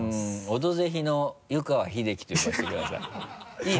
「オドぜひ」の湯川秀樹と呼ばせてください。